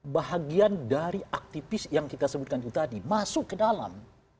bahagian dari aktivis yang kita sebutkan itu tadi masuk ke dalam